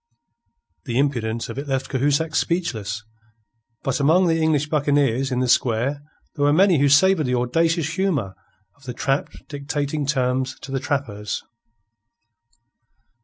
The impudence of it left Cahusac speechless. But among the English buccaneers in the square there were many who savoured the audacious humour of the trapped dictating terms to the trappers.